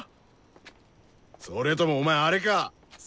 それともお前あれかっ！